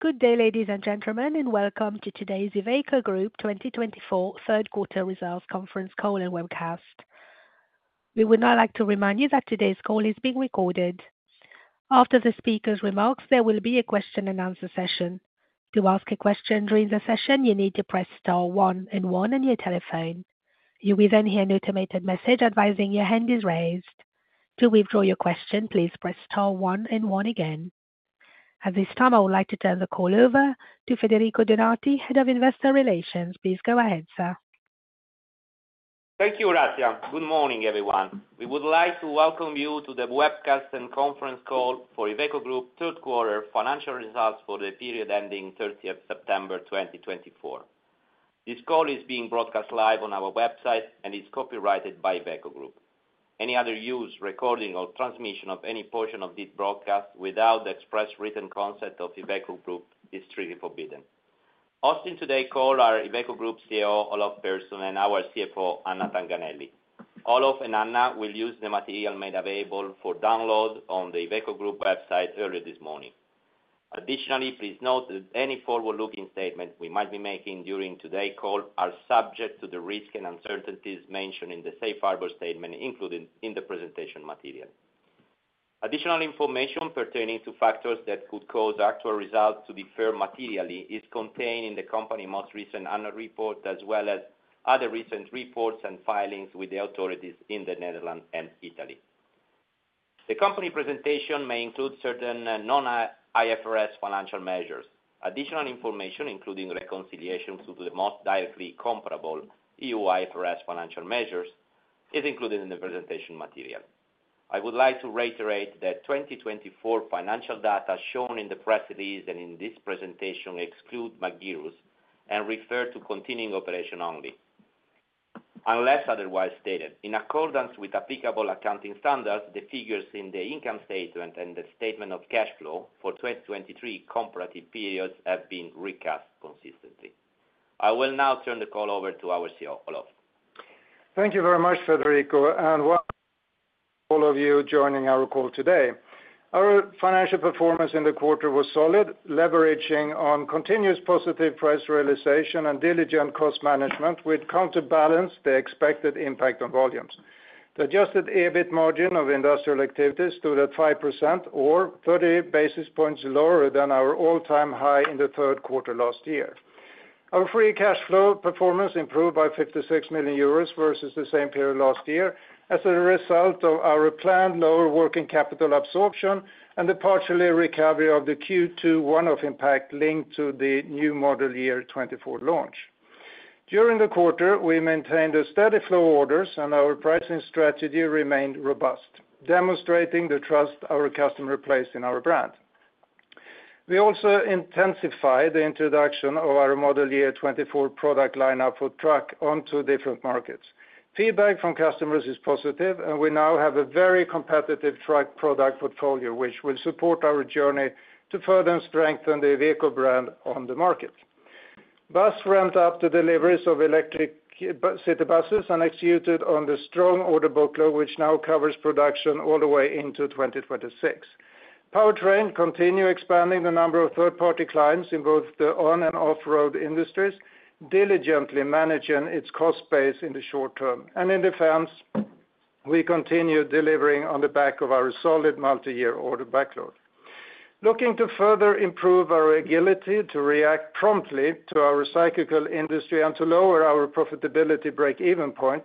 Good day, ladies and gentlemen, and welcome to today's Iveco Group 2024 third quarter results conference call and webcast. We would now like to remind you that today's call is being recorded. After the speakers' remarks, there will be a question-and-answer session. To ask a question during the session, you need to press star one and one on your telephone. You will then hear an automated message advising your hand is raised. To withdraw your question, please press star one and one again. At this time, I would like to turn the call over to Federico Donati, Head of Investor Relations. Please go ahead, sir. Thank you, Razia. Good morning, everyone. We would like to welcome you to the webcast and conference call for Iveco Group third quarter financial results for the period ending 30th September 2024. This call is being broadcast live on our website and is copyrighted by Iveco Group. Any other use, recording, or transmission of any portion of this broadcast without the express written consent of Iveco Group is strictly forbidden. Hosting today's call are Iveco Group CEO Olof Persson and our CFO Anna Tanganelli. Olof and Anna will use the material made available for download on the Iveco Group website earlier this morning. Additionally, please note that any forward-looking statements we might be making during today's call are subject to the risks and uncertainties mentioned in the safe harbor statement included in the presentation material. Additional information pertaining to factors that could cause actual results to differ materially is contained in the company's most recent annual report, as well as other recent reports and filings with the authorities in the Netherlands and Italy. The company presentation may include certain non-IFRS financial measures. Additional information, including reconciliation to the most directly comparable EU IFRS financial measures, is included in the presentation material. I would like to reiterate that 2024 financial data shown in the press release and in this presentation exclude Magirus and refer to continuing operation only, unless otherwise stated. In accordance with applicable accounting standards, the figures in the income statement and the statement of cash flow for 2023 comparative periods have been recast consistently. I will now turn the call over to our CEO, Olof. Thank you very much, Federico, and welcome to all of you joining our call today. Our financial performance in the quarter was solid, leveraging on continuous positive price realization and diligent cost management, which counterbalanced the expected impact on volumes. The adjusted EBIT margin of industrial activity stood at 5%, or 30 basis points lower than our all-time high in the third quarter last year. Our free cash flow performance improved by 56 million euros versus the same period last year as a result of our planned lower working capital absorption and the partial recovery of the Q2 one-off impact linked to the new Model Year 2024 launch. During the quarter, we maintained a steady flow of orders, and our pricing strategy remained robust, demonstrating the trust our customers placed in our brand. We also intensified the introduction of our Model Year 2024 product lineup for truck onto different markets. Feedback from customers is positive, and we now have a very competitive truck product portfolio, which will support our journey to further strengthen the Iveco brand on the market. Bus ramped up the deliveries of electric city buses and executed on the strong order booklet, which now covers production all the way into 2026. Powertrain continued expanding the number of third-party clients in both the on- and off-road industries, diligently managing its cost base in the short term. And in defense, we continue delivering on the back of our solid multi-year order backlog. Looking to further improve our agility to react promptly to our cyclical industry and to lower our profitability break-even point,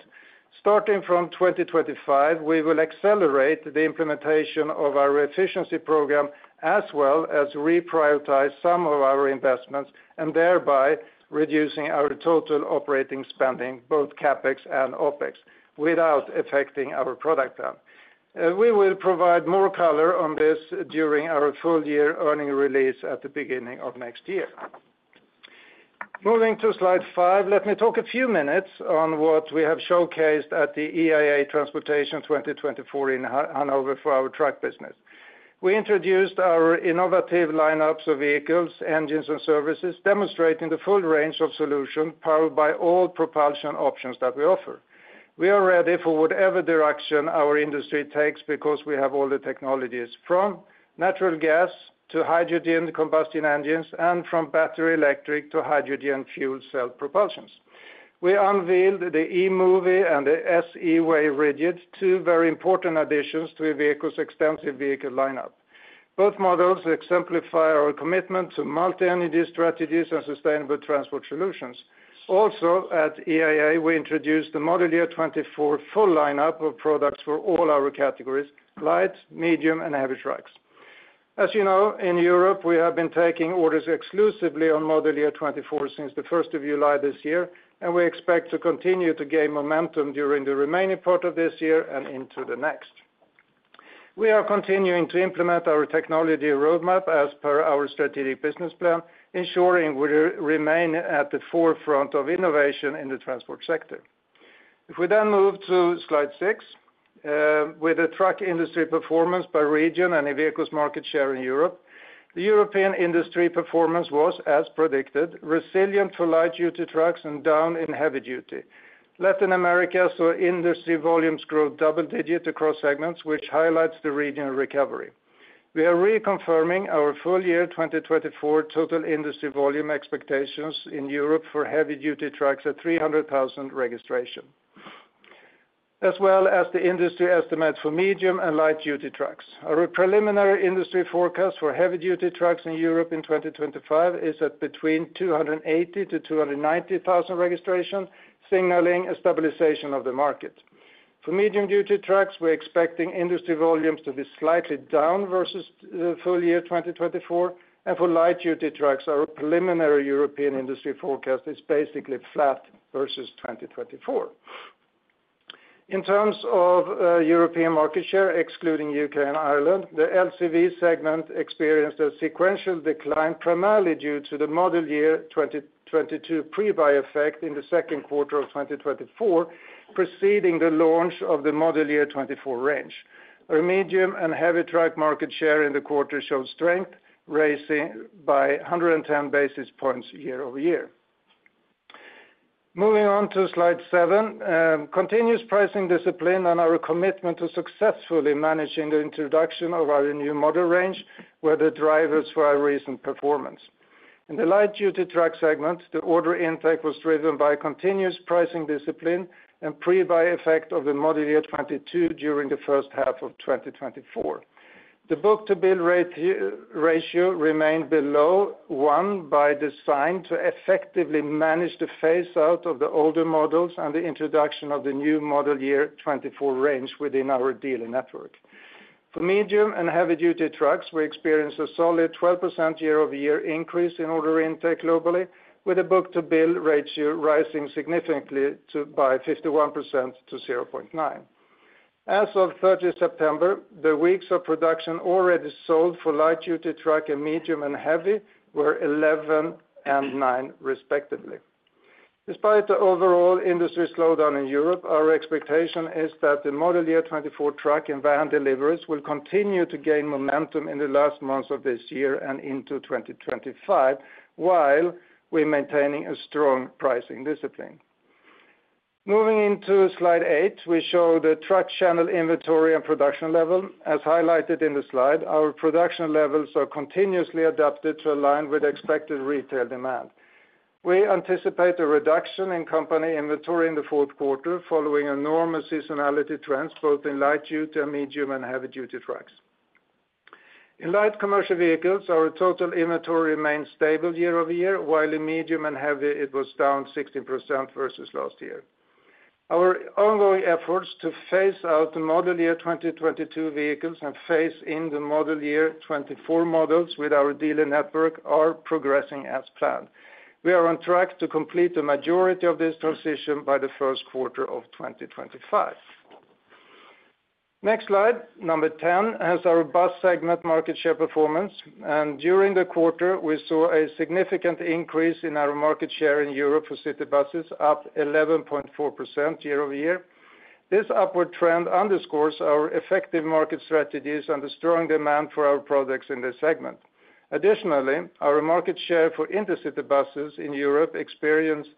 starting from 2025, we will accelerate the implementation of our efficiency program as well as reprioritize some of our investments and thereby reducing our total operating spending, both CapEx and OpEx, without affecting our product plan. We will provide more color on this during our full-year earnings release at the beginning of next year. Moving to slide five, let me talk a few minutes on what we have showcased at the IAA Transportation 2024 in Hanover for our truck business. We introduced our innovative lineups of vehicles, engines, and services, demonstrating the full range of solutions powered by all propulsion options that we offer. We are ready for whatever direction our industry takes because we have all the technologies from natural gas to hydrogen combustion engines and from battery electric to hydrogen fuel cell propulsions. We unveiled the eMoovy and the IVECO S-eWay Rigid, two very important additions to Iveco's extensive vehicle lineup. Both models exemplify our commitment to multi-energy strategies and sustainable transport solutions. Also, at IAA, we introduced the Model Year 2024 full lineup of products for all our categories: light, medium, and heavy trucks. As you know, in Europe, we have been taking orders exclusively on Model Year 2024 since the 1st of July this year, and we expect to continue to gain momentum during the remaining part of this year and into the next. We are continuing to implement our technology roadmap as per our strategic business plan, ensuring we remain at the forefront of innovation in the transport sector. If we then move to slide six, with the truck industry performance by region and Iveco's market share in Europe, the European industry performance was, as predicted, resilient for light-duty trucks and down in heavy-duty. Latin America saw industry volumes grow double-digit across segments, which highlights the regional recovery. We are reconfirming our full-year 2024 total industry volume expectations in Europe for heavy-duty trucks at 300,000 registrations, as well as the industry estimates for medium- and light-duty trucks. Our preliminary industry forecast for heavy-duty trucks in Europe in 2025 is at between 280,000 and 290,000 registrations, signaling a stabilization of the market. For medium-duty trucks, we're expecting industry volumes to be slightly down versus the full year 2024, and for light-duty trucks, our preliminary European industry forecast is basically flat versus 2024. In terms of European market share, excluding the U.K. and Ireland, the LCV segment experienced a sequential decline, primarily due to the model year 2022 pre-buy effect in the second quarter of 2024, preceding the launch of the Model Year 2024 range. Our medium and heavy truck market share in the quarter showed strength, rising by 110 basis points year-over-year. Moving on to slide seven, continuous pricing discipline and our commitment to successfully managing the introduction of our new model range were the drivers for our recent performance. In the light-duty truck segment, the order intake was driven by continuous pricing discipline and pre-buy effect of the model year 2022 during the first half of 2024. The book-to-bill ratio remained below one by design to effectively manage the phase-out of the older models and the introduction of the new Model Year 2024 range within our dealer network. For medium and heavy-duty trucks, we experienced a solid 12% year-over-year increase in order intake globally, with the book-to-bill ratio rising significantly by 51% to 0.9. As of 30 September, the weeks of production already sold for light-duty truck and medium and heavy were 11 and 9, respectively. Despite the overall industry slowdown in Europe, our expectation is that the Model Year 2024 truck and van deliveries will continue to gain momentum in the last months of this year and into 2025, while we're maintaining a strong pricing discipline. Moving into slide eight, we show the truck channel inventory and production level. As highlighted in the slide, our production levels are continuously adapted to align with expected retail demand. We anticipate a reduction in company inventory in the fourth quarter following enormous seasonality trends, both in light-duty and medium and heavy-duty trucks. In light commercial vehicles, our total inventory remained stable year-over-year, while in medium and heavy, it was down 16% versus last year. Our ongoing efforts to phase out the model year 2022 vehicles and phase in the Model Year 2024 models with our dealer network are progressing as planned. We are on track to complete the majority of this transition by the first quarter of 2025. Next slide, number 10, has our bus segment market share performance. And during the quarter, we saw a significant increase in our market share in Europe for city buses, up 11.4% year-over-year. This upward trend underscores our effective market strategies and the strong demand for our products in this segment. Additionally, our market share for intercity buses in Europe experienced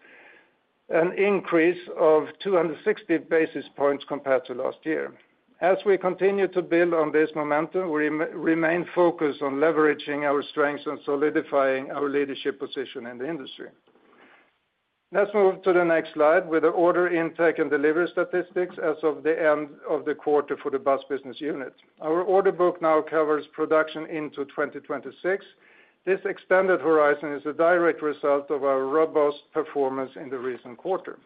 an increase of 260 basis points compared to last year. As we continue to build on this momentum, we remain focused on leveraging our strengths and solidifying our leadership position in the industry. Let's move to the next slide with the order intake and delivery statistics as of the end of the quarter for the bus business unit. Our order book now covers production into 2026. This extended horizon is a direct result of our robust performance in the recent quarter.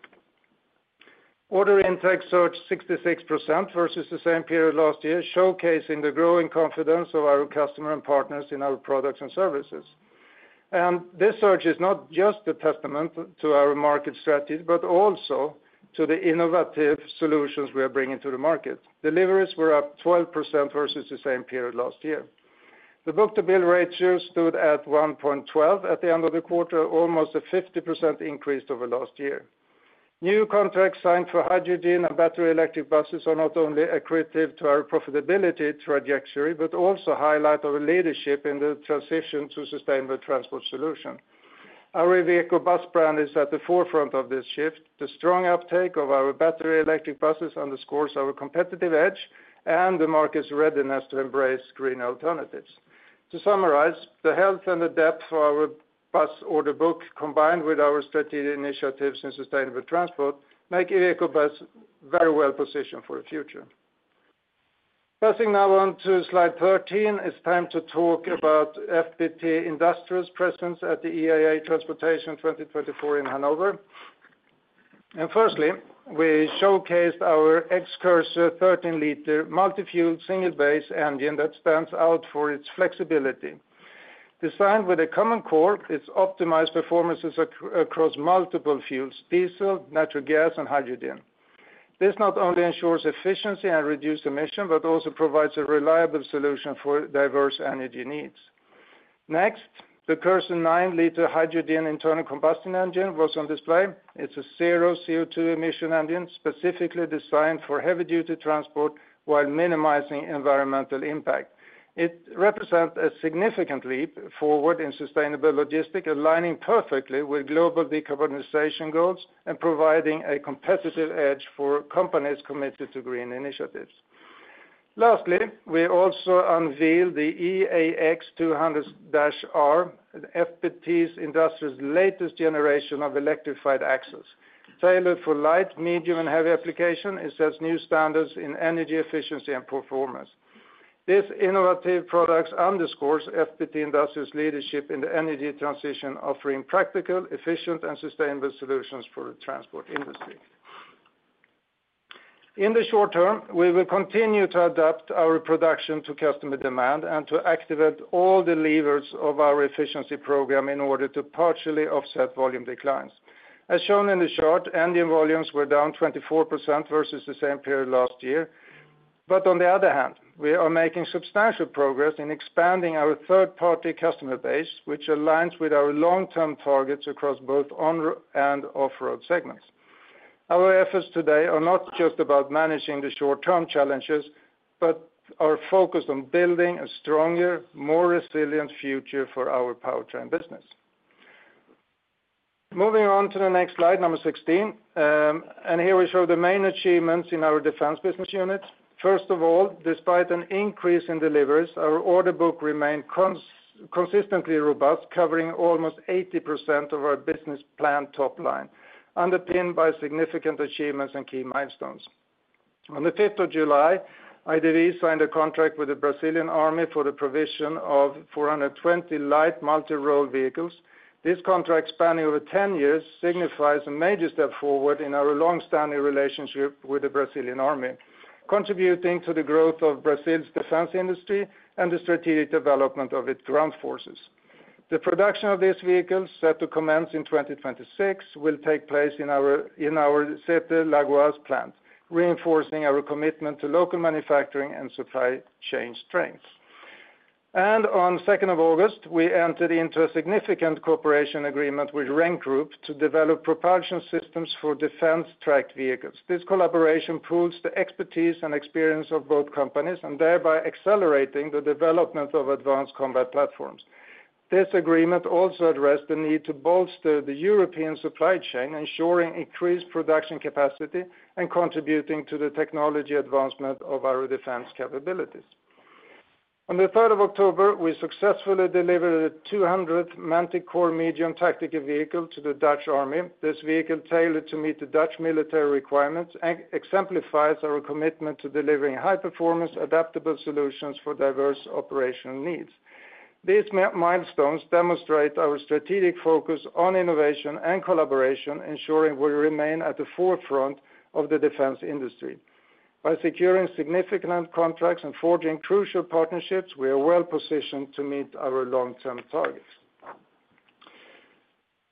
Order intake surged 66% versus the same period last year, showcasing the growing confidence of our customers and partners in our products and services, and this surge is not just a testament to our market strategy, but also to the innovative solutions we are bringing to the market. Deliveries were up 12% versus the same period last year. The book-to-bill ratio stood at 1.12 at the end of the quarter, almost a 50% increase over last year. New contracts signed for hydrogen and battery electric buses are not only accretive to our profitability trajectory, but also a highlight of leadership in the transition to sustainable transport solutions. Our IVECO BUS brand is at the forefront of this shift. The strong uptake of our battery electric buses underscores our competitive edge and the market's readiness to embrace green alternatives. To summarize, the health and the depth of our bus order book, combined with our strategic initiatives in sustainable transport, make IVECO BUS very well positioned for the future. Passing now on to slide 13, it's time to talk about FPT Industrial's presence at the IAA Transportation 2024 in Hanover, and firstly, we showcased our XCursor 13-litre multi-fuel single base engine that stands out for its flexibility. Designed with a common core, its optimized performance is across multiple fuels: diesel, natural gas, and hydrogen. This not only ensures efficiency and reduced emissions, but also provides a reliable solution for diverse energy needs. Next, the Cursor 9-litre hydrogen internal combustion engine was on display. It's a zero CO2 emission engine specifically designed for heavy-duty transport while minimizing environmental impact. It represents a significant leap forward in sustainable logistics, aligning perfectly with global decarbonization goals and providing a competitive edge for companies committed to green initiatives. Lastly, we also unveiled the eAX 200-R, FPT Industrial's latest generation of electrified axles. Tailored for light, medium, and heavy applications, it sets new standards in energy efficiency and performance. This innovative product underscores FPT Industrial's leadership in the energy transition, offering practical, efficient, and sustainable solutions for the transport industry. In the short term, we will continue to adapt our production to customer demand and to activate all the levers of our efficiency program in order to partially offset volume declines. As shown in the chart, engine volumes were down 24% versus the same period last year. But on the other hand, we are making substantial progress in expanding our third-party customer base, which aligns with our long-term targets across both on and off-road segments. Our efforts today are not just about managing the short-term challenges, but are focused on building a stronger, more resilient future for our powertrain business. Moving on to the next slide, number 16, and here we show the main achievements in our defense business unit. First of all, despite an increase in deliveries, our order book remained consistently robust, covering almost 80% of our business plan top line, underpinned by significant achievements and key milestones. On the 5th of July, IDV signed a contract with the Brazilian Army for the provision of 420 light multirole vehicles. This contract, spanning over 10 years, signifies a major step forward in our long-standing relationship with the Brazilian Army, contributing to the growth of Brazil's defense industry and the strategic development of its ground forces. The production of these vehicles, set to commence in 2026, will take place in our Sete Lagoas plant, reinforcing our commitment to local manufacturing and supply chain strength and on 2nd of August, we entered into a significant cooperation agreement with RENK Group to develop propulsion systems for defense tracked vehicles. This collaboration proves the expertise and experience of both companies, and thereby accelerating the development of advanced combat platforms. This agreement also addressed the need to bolster the European supply chain, ensuring increased production capacity and contributing to the technology advancement of our defense capabilities. On the 3rd of October, we successfully delivered a 200th Manticore medium tactical vehicle to the Dutch Army. This vehicle, tailored to meet the Dutch military requirements, exemplifies our commitment to delivering high-performance, adaptable solutions for diverse operational needs. These milestones demonstrate our strategic focus on innovation and collaboration, ensuring we remain at the forefront of the defense industry. By securing significant contracts and forging crucial partnerships, we are well positioned to meet our long-term targets.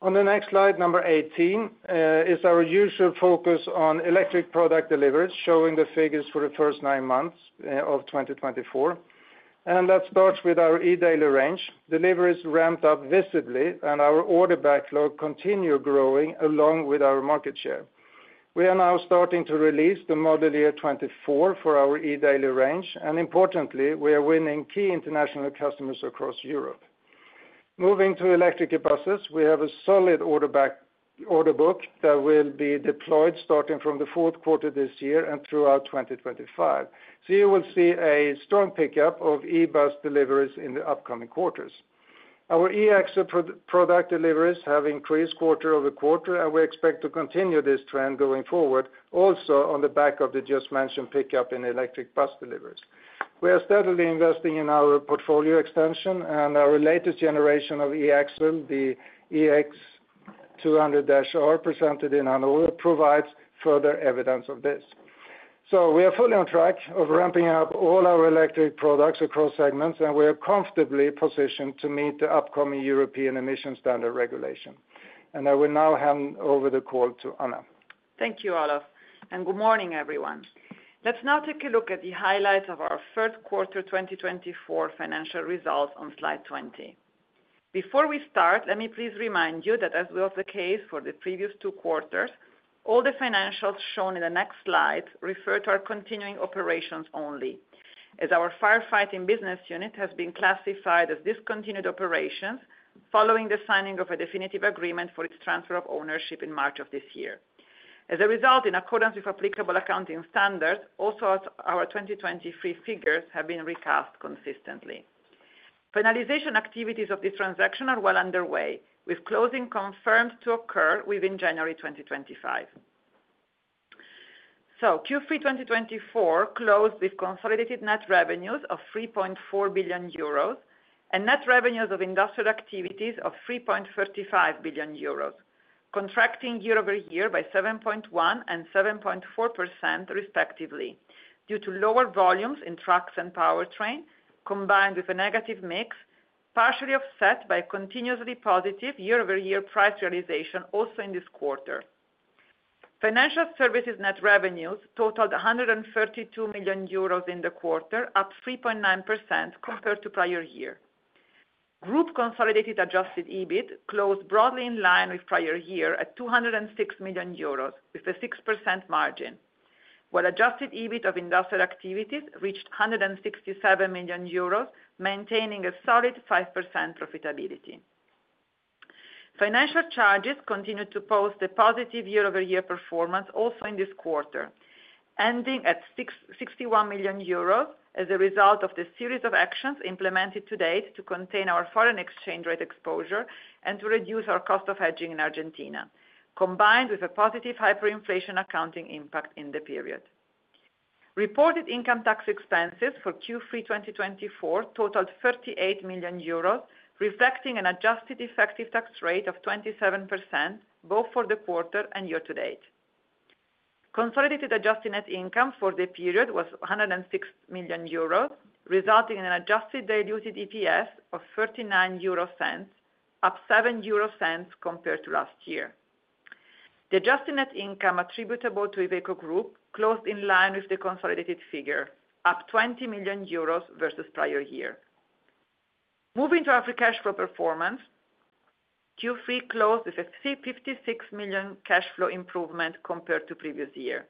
On the next slide, number 18, is our usual focus on electric product deliveries, showing the figures for the first nine months of 2024. And that starts with our eDaily range. Deliveries ramped up visibly, and our order backlog continued growing along with our market share. We are now starting to release the Model Year 2024 for our eDaily range, and importantly, we are winning key international customers across Europe. Moving to electric buses, we have a solid order book that will be deployed starting from the fourth quarter this year and throughout 2025. So you will see a strong pickup of eBus deliveries in the upcoming quarters. Our eAxle product deliveries have increased quarter over quarter, and we expect to continue this trend going forward, also on the back of the just-mentioned pickup in electric bus deliveries. We are steadily investing in our portfolio extension, and our latest generation of eAxle, the eAX 200-R presented in Hanover, provides further evidence of this. So we are fully on track of ramping up all our electric products across segments, and we are comfortably positioned to meet the upcoming European Emission Standard regulation. And I will now hand over the call to Anna. Thank you, Olof, and good morning, everyone. Let's now take a look at the highlights of our first quarter 2024 financial results on slide 20. Before we start, let me please remind you that, as was the case for the previous two quarters, all the financials shown in the next slide refer to our continuing operations only, as our firefighting business unit has been classified as discontinued operations following the signing of a definitive agreement for its transfer of ownership in March of this year. As a result, in accordance with applicable accounting standards, also our 2023 figures have been recast consistently. Finalization activities of this transaction are well underway, with closing confirmed to occur within January 2025. Q3 2024 closed with consolidated net revenues of 3.4 billion euros and net revenues of industrial activities of 3.35 billion euros, contracting year-over-year by 7.1% and 7.4%, respectively, due to lower volumes in trucks and powertrain, combined with a negative mix, partially offset by continuously positive year-over-year price realization also in this quarter. Financial services net revenues totaled 132 million euros in the quarter, up 3.9% compared to prior year. Group consolidated adjusted EBIT closed broadly in line with prior year at 206 million euros, with a 6% margin, while adjusted EBIT of industrial activities reached 167 million euros, maintaining a solid 5% profitability. Financial charges continued to post a positive year-over-year performance also in this quarter, ending at 61 million euros as a result of the series of actions implemented to date to contain our foreign exchange rate exposure and to reduce our cost of hedging in Argentina, combined with a positive hyperinflation accounting impact in the period. Reported income tax expenses for Q3 2024 totaled 38 million euros, reflecting an adjusted effective tax rate of 27%, both for the quarter and year-to-date. Consolidated adjusted net income for the period was 106 million euros, resulting in an adjusted diluted EPS of 0.39, up 0.07 compared to last year. The adjusted net income attributable to Iveco Group closed in line with the consolidated figure, up 20 million euros versus prior year. Moving to our free cash flow performance, Q3 closed with a 56 million cash flow improvement compared to previous year,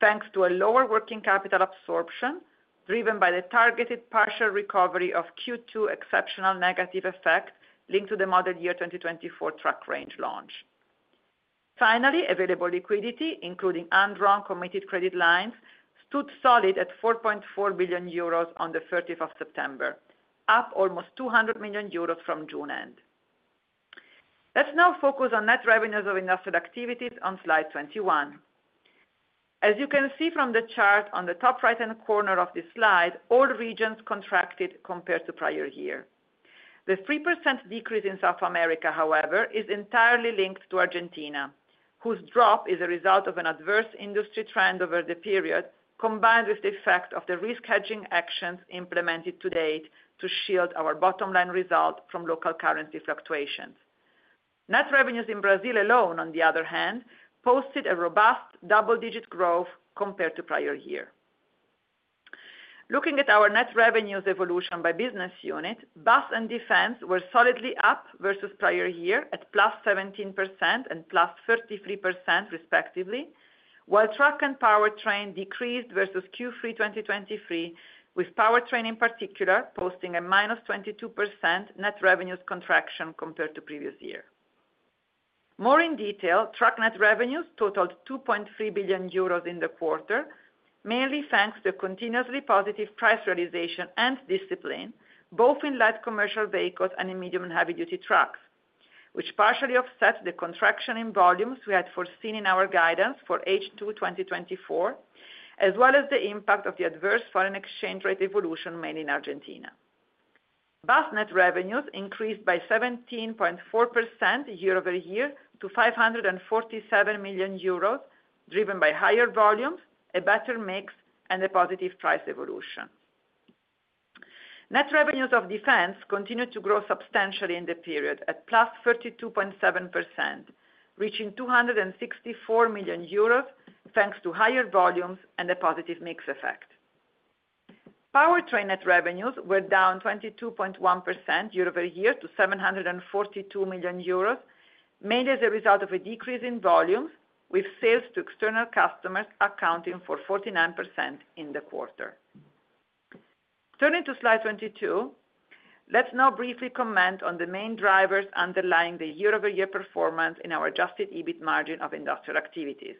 thanks to a lower working capital absorption driven by the targeted partial recovery of Q2 exceptional negative effect linked to the Model Year 2024 truck range launch. Finally, available liquidity, including undrawn committed credit lines, stood solid at 4.4 billion euros on the 30th of September, up almost 200 million euros from June end. Let's now focus on net revenues of industrial activities on slide 21. As you can see from the chart on the top right-hand corner of this slide, all regions contracted compared to prior year. The 3% decrease in South America, however, is entirely linked to Argentina, whose drop is a result of an adverse industry trend over the period, combined with the effect of the risk hedging actions implemented to date to shield our bottom line result from local currency fluctuations. Net revenues in Brazil alone, on the other hand, posted a robust double-digit growth compared to prior year. Looking at our net revenues evolution by business unit, bus and defense were solidly up versus prior year at +17% and +33%, respectively, while truck and powertrain decreased versus Q3 2023, with powertrain in particular posting a -22% net revenues contraction compared to previous year. More in detail, truck net revenues totaled 2.3 billion euros in the quarter, mainly thanks to continuously positive price realization and discipline, both in light commercial vehicles and in medium and heavy-duty trucks, which partially offsets the contraction in volumes we had foreseen in our guidance for H2 2024, as well as the impact of the adverse foreign exchange rate evolution mainly in Argentina. Bus net revenues increased by 17.4% year-over-year to 547 million euros, driven by higher volumes, a better mix, and a positive price evolution. Net revenues of defense continued to grow substantially in the period at +32.7%, reaching 264 million euros, thanks to higher volumes and a positive mix effect. Powertrain net revenues were down 22.1% year-over-year to 742 million euros, mainly as a result of a decrease in volumes, with sales to external customers accounting for 49% in the quarter. Turning to slide 22, let's now briefly comment on the main drivers underlying the year-over-year performance in our adjusted EBIT margin of industrial activities.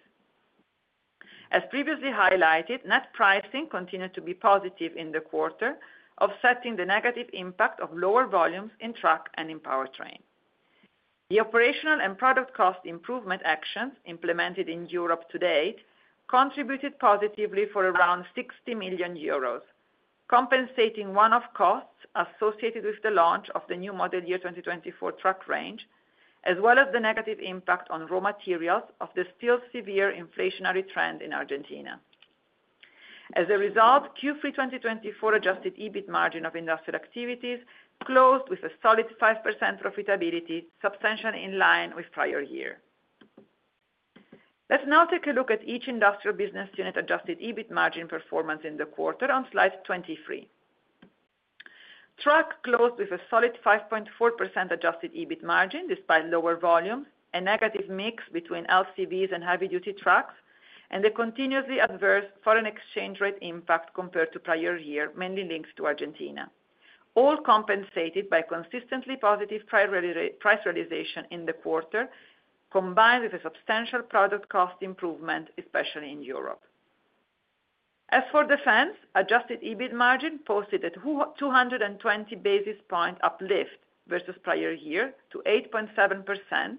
As previously highlighted, net pricing continued to be positive in the quarter, offsetting the negative impact of lower volumes in truck and in powertrain. The operational and product cost improvement actions implemented in Europe to date contributed positively for around 60 million euros, compensating one-off costs associated with the launch of the new Model Year 2024 truck range, as well as the negative impact on raw materials of the still severe inflationary trend in Argentina. As a result, Q3 2024 Adjusted EBIT margin of industrial activities closed with a solid 5% profitability, substantially in line with prior year. Let's now take a look at each industrial business unit adjusted EBIT margin performance in the quarter on slide 23. Trucks closed with a solid 5.4% adjusted EBIT margin despite lower volumes, a negative mix between LCVs and heavy-duty trucks, and the continuously adverse foreign exchange rate impact compared to prior year, mainly linked to Argentina, all compensated by consistently positive price realization in the quarter, combined with a substantial product cost improvement, especially in Europe. As for defense, adjusted EBIT margin posted a 220 basis points uplift versus prior year to 8.7%,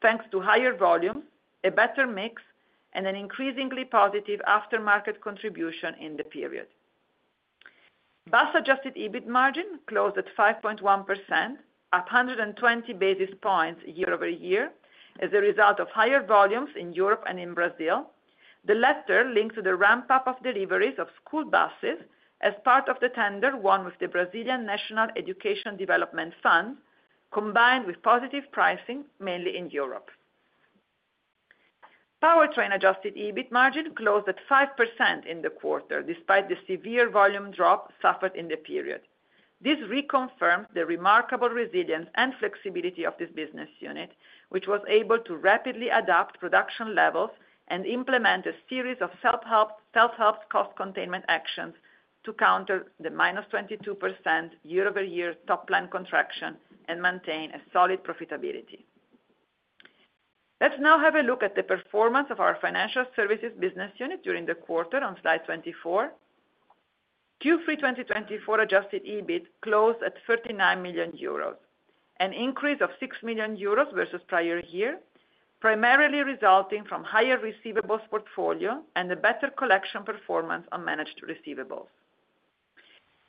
thanks to higher volumes, a better mix, and an increasingly positive aftermarket contribution in the period. Bus adjusted EBIT margin closed at 5.1%, up 120 basis points year-over-year, as a result of higher volumes in Europe and in Brazil, the latter linked to the ramp-up of deliveries of school buses as part of the tender won with the Brazilian National Education Development Fund, combined with positive pricing, mainly in Europe. Powertrain Adjusted EBIT margin closed at 5% in the quarter, despite the severe volume drop suffered in the period. This reconfirms the remarkable resilience and flexibility of this business unit, which was able to rapidly adapt production levels and implement a series of self-help cost containment actions to counter the -22% year-over-year top line contraction and maintain a solid profitability. Let's now have a look at the performance of our financial services business unit during the quarter on slide 24. Q3 2024 adjusted EBIT closed at 39 million euros, an increase of 6 million euros versus prior year, primarily resulting from higher receivables portfolio and a better collection performance on managed receivables.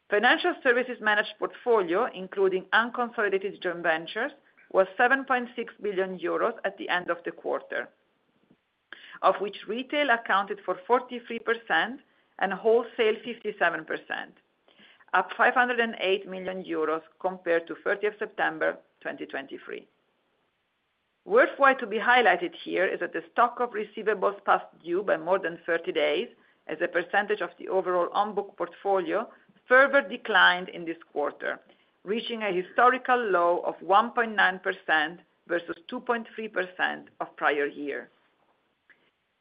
Financial services managed portfolio, including unconsolidated joint ventures, was 7.6 billion euros at the end of the quarter, of which retail accounted for 43% and wholesale 57%, up 508 million euros compared to 30 September 2023. Worthwhile to be highlighted here is that the stock of receivables passed due by more than 30 days, as a percentage of the overall on-book portfolio further declined in this quarter, reaching a historical low of 1.9% versus 2.3% of prior year.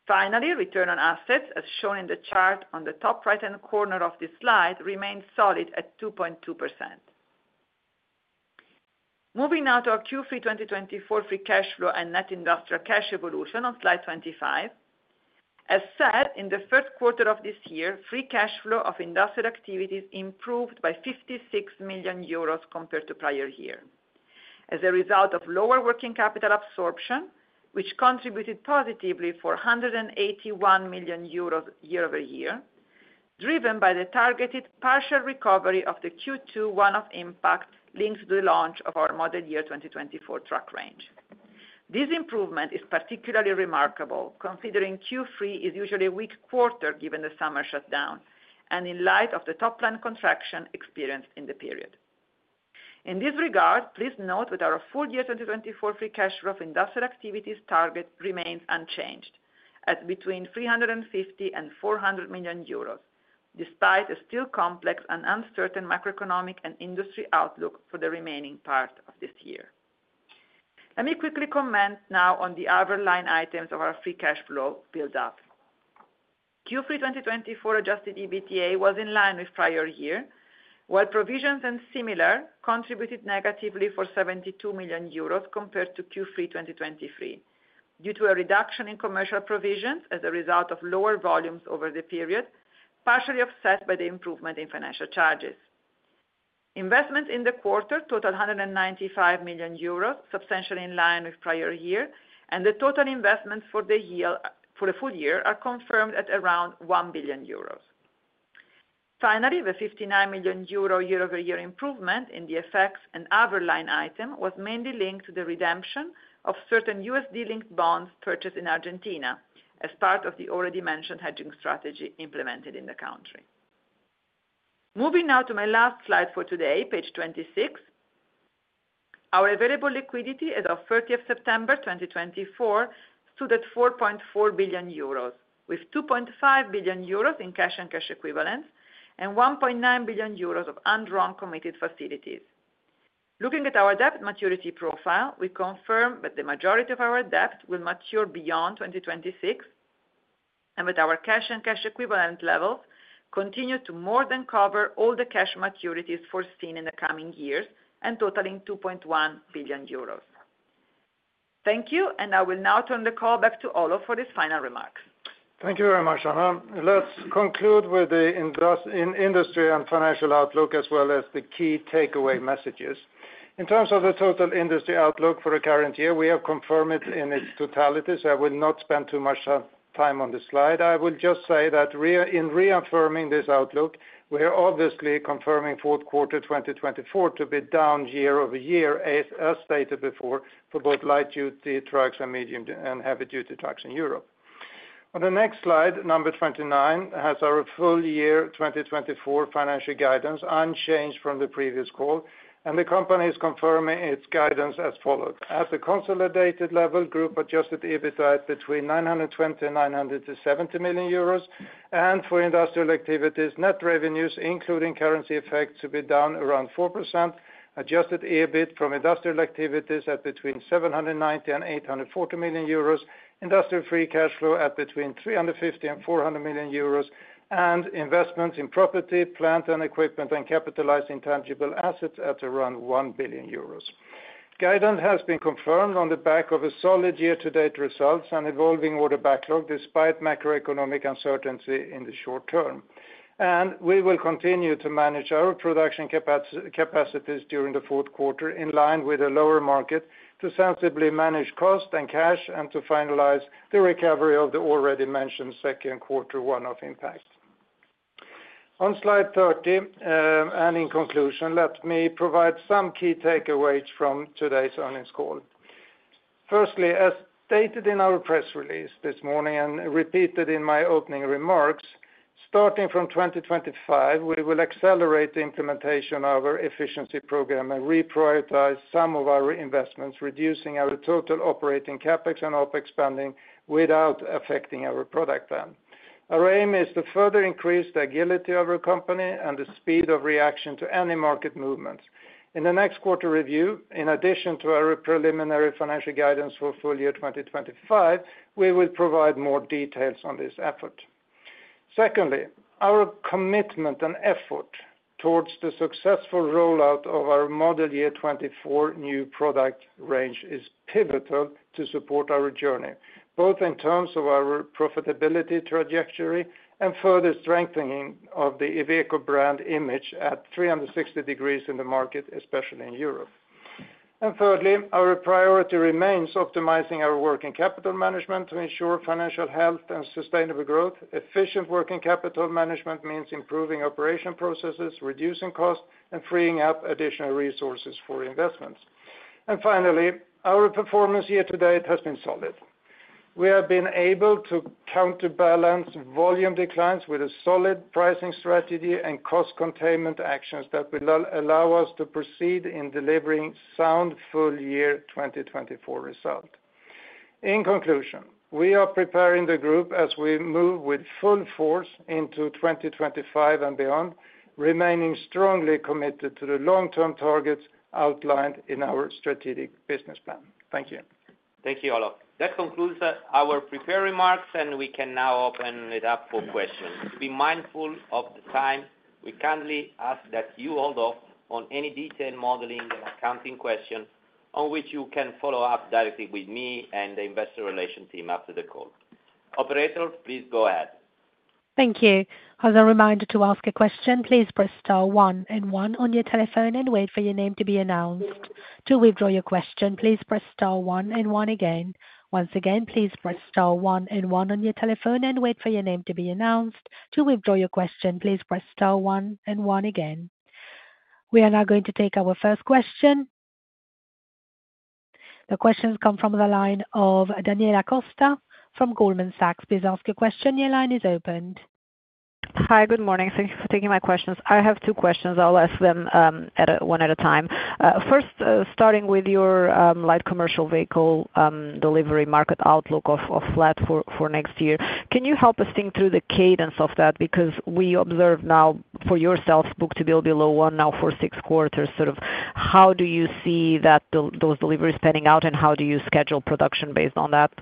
Finally, return on assets, as shown in the chart on the top right-hand corner of this slide, remained solid at 2.2%. Moving now to our Q3 2024 free cash flow and net industrial cash evolution on slide 25. As said, in the first quarter of this year, free cash flow of industrial activities improved by 56 million euros compared to prior year, as a result of lower working capital absorption, which contributed positively for 181 million euro year-over-year, driven by the targeted partial recovery of the Q2 one-off impact linked to the launch of our Model Year 2024 truck range. This improvement is particularly remarkable, considering Q3 is usually a weak quarter given the summer shutdown and in light of the top line contraction experienced in the period. In this regard, please note that our full year 2024 free cash flow of industrial activities target remains unchanged at between 350 million and 400 million euros, despite a still complex and uncertain macroeconomic and industry outlook for the remaining part of this year. Let me quickly comment now on the outer line items of our free cash flow build-up. Q3 2024 adjusted EBITDA was in line with prior year, while provisions and similar contributed negatively for 72 million euros compared to Q3 2023, due to a reduction in commercial provisions as a result of lower volumes over the period, partially offset by the improvement in financial charges. Investments in the quarter totaled 195 million euros, substantially in line with prior year, and the total investments for the full year are confirmed at around 1 billion euros. Finally, the 59 million euro year-over-year improvement in the EBITDA and other line item was mainly linked to the redemption of certain USD-linked bonds purchased in Argentina as part of the already mentioned hedging strategy implemented in the country. Moving now to my last slide for today, page 26. Our available liquidity as of 30 September 2024 stood at 4.4 billion euros, with 2.5 billion euros in cash and cash equivalents and 1.9 billion euros of undrawn committed facilities. Looking at our debt maturity profile, we confirm that the majority of our debt will mature beyond 2026 and that our cash and cash equivalent levels continue to more than cover all the cash maturities foreseen in the coming years and totaling 2.1 billion euros. Thank you, and I will now turn the call back to Olof for his final remarks. Thank you very much, Anna. Let's conclude with the industry and financial outlook, as well as the key takeaway messages. In terms of the total industry outlook for the current year, we have confirmed it in its totality, so I will not spend too much time on this slide. I will just say that in reaffirming this outlook, we are obviously confirming fourth quarter 2024 to be down year-over-year, as stated before, for both light-duty trucks and heavy-duty trucks in Europe. On the next slide, number 29, has our full year 2024 financial guidance unchanged from the previous call, and the company is confirming its guidance as follows. At the consolidated level, group adjusted EBITDA is between 920 million euros and 970 million euros, and for industrial activities, net revenues, including currency effect, should be down around 4%. Adjusted EBIT from industrial activities is between 790 million and 840 million euros, industrial free cash flow is between 350 million and 400 million euros, and investments in property, plant and equipment, and capitalized intangible assets are around 1 billion euros. Guidance has been confirmed on the back of a solid year-to-date results and evolving order backlog, despite macroeconomic uncertainty in the short term. We will continue to manage our production capacities during the fourth quarter in line with a lower market to sensibly manage cost and cash and to finalize the recovery of the already mentioned second quarter one-off impact. On slide 30, and in conclusion, let me provide some key takeaways from today's earnings call. Firstly, as stated in our press release this morning and repeated in my opening remarks, starting from 2025, we will accelerate the implementation of our efficiency program and reprioritize some of our investments, reducing our total operating CapEx and OpEx spending without affecting our product plan. Our aim is to further increase the agility of our company and the speed of reaction to any market movements. In the next quarter review, in addition to our preliminary financial guidance for full year 2025, we will provide more details on this effort. Secondly, our commitment and effort towards the successful rollout of our Model Year 2024 new product range is pivotal to support our journey, both in terms of our profitability trajectory and further strengthening of the Iveco brand image at 360 degrees in the market, especially in Europe. And thirdly, our priority remains optimizing our working capital management to ensure financial health and sustainable growth. Efficient working capital management means improving operation processes, reducing costs, and freeing up additional resources for investments. And finally, our performance year-to-date has been solid. We have been able to counterbalance volume declines with a solid pricing strategy and cost containment actions that will allow us to proceed in delivering sound full year 2024 results. In conclusion, we are preparing the group as we move with full force into 2025 and beyond, remaining strongly committed to the long-term targets outlined in our strategic business plan. Thank you. Thank you, Olof. That concludes our prepared remarks, and we can now open it up for questions. To be mindful of the time, we kindly ask that you hold off on any detailed modeling and accounting questions on which you can follow up directly with me and the investor relations team after the call. Operator, please go ahead. Thank you. As a reminder to ask a question, please press star one and one on your telephone and wait for your name to be announced. To withdraw your question, please press star one and one again. Once again, please press star one and one on your telephone and wait for your name to be announced. To withdraw your question, please press star one and one again. We are now going to take our first question. The questions come from the line of Daniela Costa from Goldman Sachs. Please ask your question. Your line is opened. Hi, good morning. Thank you for taking my questions. I have two questions. I'll ask them one at a time. First, starting with your light commercial vehicle delivery market outlook of flat for next year, can you help us think through the cadence of that? Because we observe now for yourself, book-to-bill below one now for six quarters. Sort of how do you see those deliveries panning out, and how do you schedule production based on that?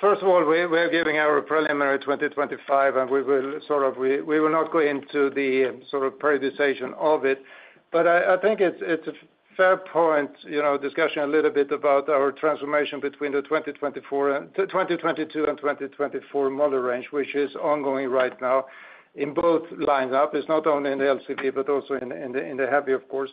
First of all, we are giving our preliminary 2025, and we will sort of not go into the sort of prioritization of it. But I think it's a fair point, discussing a little bit about our transformation between the 2022 and 2024 model range, which is ongoing right now in both lineups. It's not only in the LCV, but also in the heavy, of course.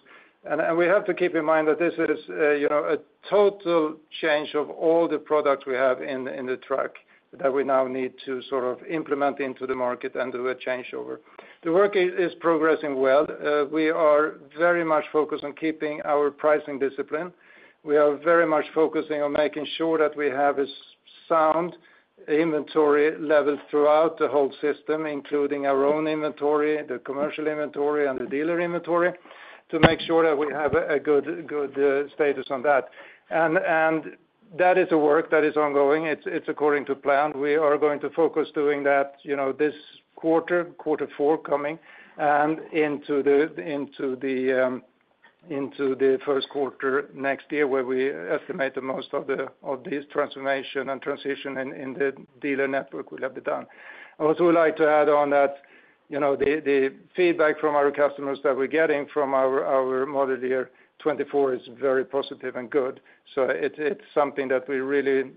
We have to keep in mind that this is a total change of all the products we have in the truck that we now need to sort of implement into the market and do a changeover. The work is progressing well. We are very much focused on keeping our pricing discipline. We are very much focusing on making sure that we have a sound inventory level throughout the whole system, including our own inventory, the commercial inventory, and the dealer inventory, to make sure that we have a good status on that. That is a work that is ongoing. It's according to plan. We are going to focus doing that this quarter, quarter four coming, and into the first quarter next year, where we estimate that most of this transformation and transition in the dealer network will have been done. I also would like to add on that the feedback from our customers that we're getting from our Model Year 2024 is very positive and good. So it's something that we really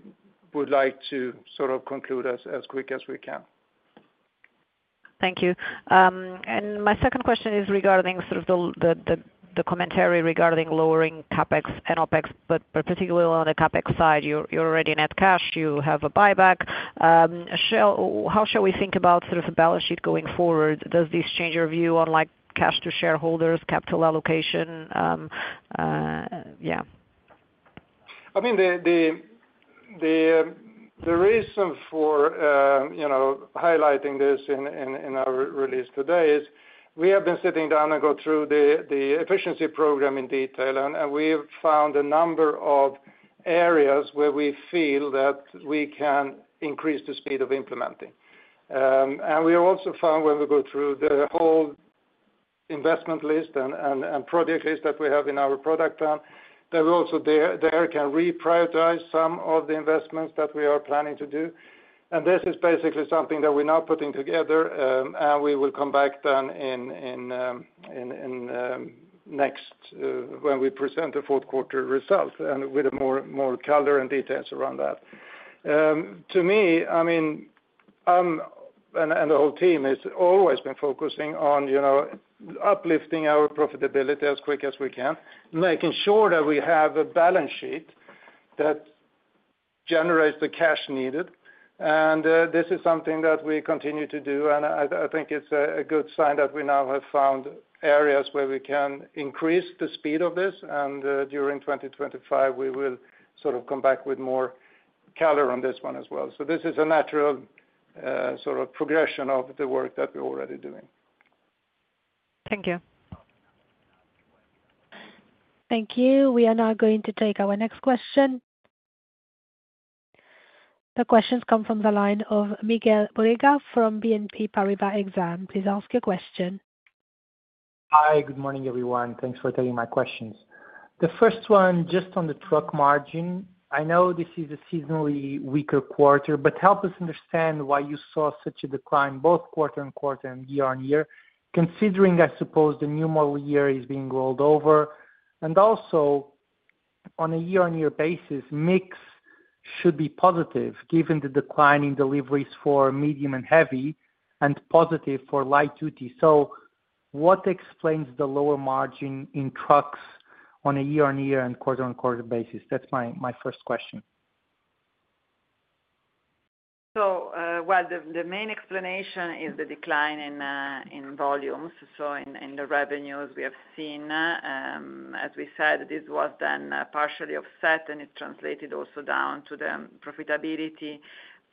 would like to sort of conclude as quick as we can. Thank you. And my second question is regarding sort of the commentary regarding lowering CapEx and OpEx, but particularly on the CapEx side. You're already net cash. You have a buyback. How shall we think about sort of the balance sheet going forward? Does this change your view on cash to shareholders, capital allocation? Yeah. I mean, the reason for highlighting this in our release today is we have been sitting down and going through the efficiency program in detail, and we have found a number of areas where we feel that we can increase the speed of implementing. And we also found, when we go through the whole investment list and project list that we have in our product plan, that we also there can reprioritize some of the investments that we are planning to do. And this is basically something that we're now putting together, and we will come back then in next when we present the fourth quarter results and with more color and details around that. To me, I mean, and the whole team has always been focusing on uplifting our profitability as quick as we can, making sure that we have a balance sheet that generates the cash needed. And this is something that we continue to do, and I think it's a good sign that we now have found areas where we can increase the speed of this. And during 2025, we will sort of come back with more color on this one as well. So this is a natural sort of progression of the work that we're already doing. Thank you. Thank you. We are now going to take our next question. The question comes from the line of Miguel Borrega from BNP Paribas Exane. Please ask your question. Hi, good morning, everyone. Thanks for taking my questions. The first one, just on the truck margin, I know this is a seasonally weaker quarter, but help us understand why you saw such a decline both quarter and quarter and year-on-year, considering, I suppose, the new model year is being rolled over. And also, on a year-on-year basis, mix should be positive given the decline in deliveries for medium and heavy and positive for light duty. So what explains the lower margin in trucks on a year-on-year and quarter-on-quarter basis? That's my first question. Well, the main explanation is the decline in volumes. In the revenues we have seen, as we said, this was then partially offset, and it's translated also down to the profitability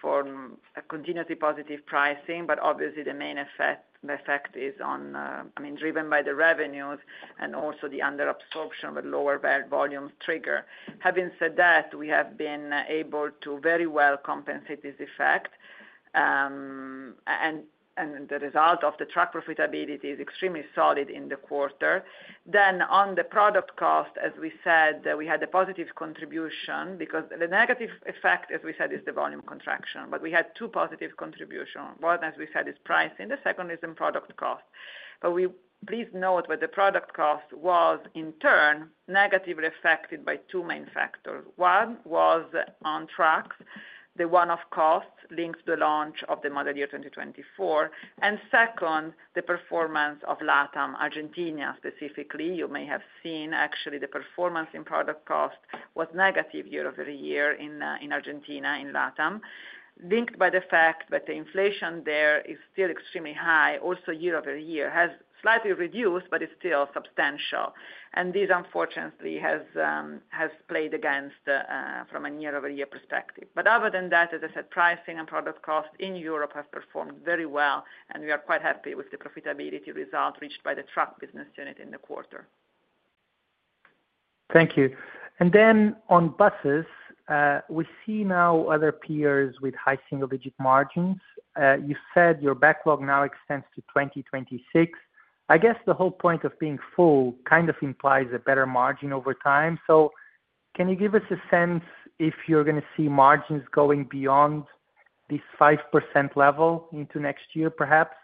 from continuously positive pricing. But obviously, the main effect is on, I mean, driven by the revenues and also the under-absorption with lower volume trigger. Having said that, we have been able to very well compensate this effect, and the result of the truck profitability is extremely solid in the quarter. On the product cost, as we said, we had a positive contribution because the negative effect, as we said, is the volume contraction. But we had two positive contributions. One, as we said, is pricing. The second is in product cost. But please note that the product cost was, in turn, negatively affected by two main factors. One was on trucks, the one of costs linked to the launch of the Model Year 2024. And second, the performance of LATAM, Argentina specifically. You may have seen, actually, the performance in product cost was negative year-over-year in Argentina in LATAM, linked by the fact that the inflation there is still extremely high. Also, year-over-year has slightly reduced, but it's still substantial. And this, unfortunately, has played against from a year-over-year perspective. But other than that, as I said, pricing and product cost in Europe have performed very well, and we are quite happy with the profitability result reached by the truck business unit in the quarter. Thank you. And then, on buses, we see now other peers with high single-digit margins. You said your backlog now extends to 2026. I guess the whole point of being full kind of implies a better margin over time. So can you give us a sense if you're going to see margins going beyond this 5% level into next year, perhaps?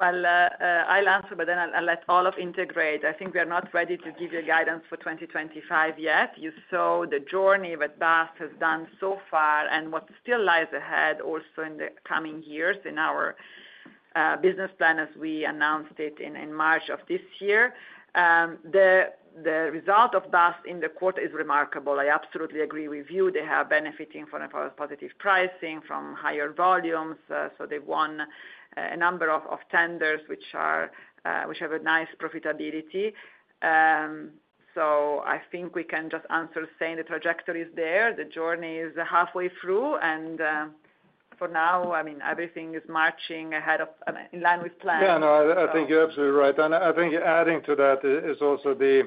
Well, I'll answer, but then I'll let Olof integrate. I think we are not ready to give you guidance for 2025 yet. You saw the journey that bus has done so far and what still lies ahead also in the coming years in our business plan as we announced it in March of this year. The result of bus in the quarter is remarkable. I absolutely agree with you. They are benefiting from positive pricing, from higher volumes. So they've won a number of tenders which have a nice profitability. So I think we can just answer saying the trajectory is there. The journey is halfway through, and for now, I mean, everything is marching ahead of, in line with plan. Yeah, no, I think you're absolutely right, and I think adding to that is also the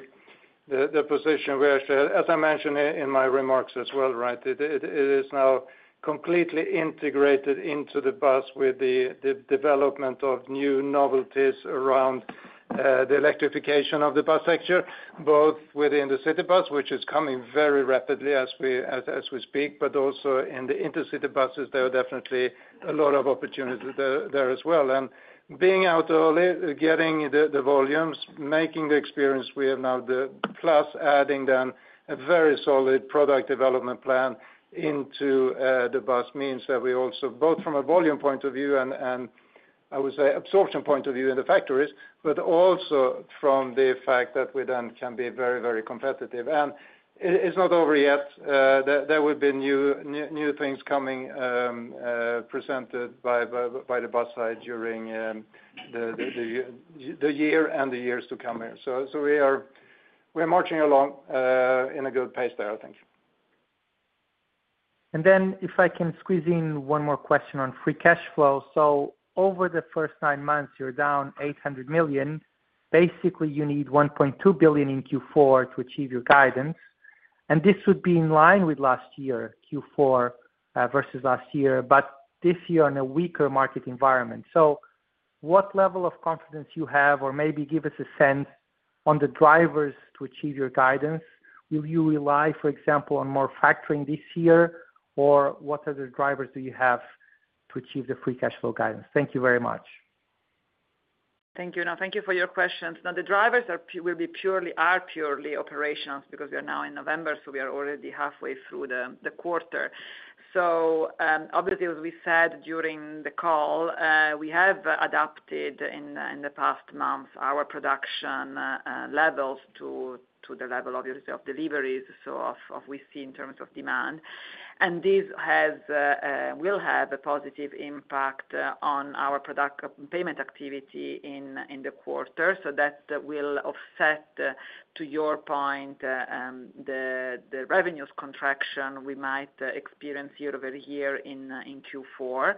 position we actually had, as I mentioned in my remarks as well, right? It is now completely integrated into the bus with the development of new novelties around the electrification of the bus sector, both within the city bus, which is coming very rapidly as we speak, but also in the intercity buses. There are definitely a lot of opportunities there as well. Being out early, getting the volumes, making the experience we have now, plus adding then a very solid product development plan into the bus means that we also, both from a volume point of view and, I would say, absorption point of view in the factories, but also from the fact that we then can be very, very competitive. It's not over yet. There will be new things coming presented by the bus side during the year and the years to come here. We are marching along in a good pace there, I think. Then, if I can squeeze in one more question on free cash flow. Over the first nine months, you're down 800 million. Basically, you need 1.2 billion in Q4 to achieve your guidance. And this would be in line with last year, Q4 versus last year, but this year in a weaker market environment. So what level of confidence do you have or maybe give us a sense on the drivers to achieve your guidance? Will you rely, for example, on more factoring this year, or what other drivers do you have to achieve the free cash flow guidance? Thank you very much. Thank you. And I'll thank you for your questions. Now, the drivers will be purely operations because we are now in November, so we are already halfway through the quarter. So obviously, as we said during the call, we have adapted in the past months our production levels to the level, obviously, of deliveries, so as we see in terms of demand. And this will have a positive impact on our payment activity in the quarter. So that will offset, to your point, the revenues contraction we might experience year-over-year in Q4.